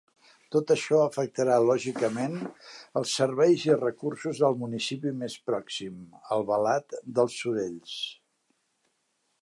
Tot això afectarà lògicament als serveis i recursos del municipi més pròxim, Albalat dels Sorells.